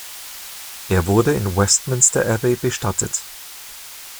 Er wurde in Westminster Abbey bestattet.